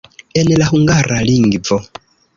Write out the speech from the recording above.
En la hungara lingvo.